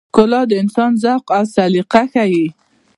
ښکلا د انسان ذوق او سلیقه ښيي.